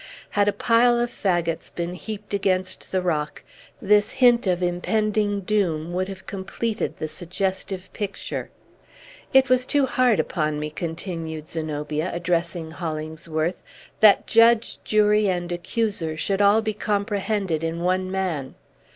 Had a pile of fagots been heaped against the rock, this hint of impending doom would have completed the suggestive picture. "It was too hard upon me," continued Zenobia, addressing Hollingsworth, "that judge, jury, and accuser should all be comprehended in one man!